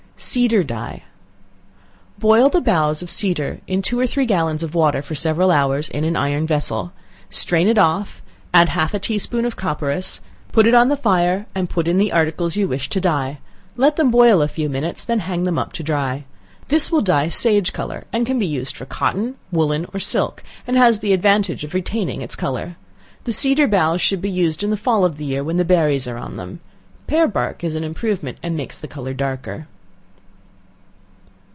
Cedar Dye. Boil the boughs of cedar in two or three gallons of water, for several hours, in an iron vessel; strain it off, add half a tea spoonful of copperas, put it on the fire, and put in the articles you wish to dye; let them boil a few minutes, then hang them up to dry. This will dye sage color, and can be used for cotton, woollen or silk, and has the advantage of retaining its color. The cedar boughs should he used in the fall of the year, when the berries are on them. Pear bark is an improvement and makes the color darker.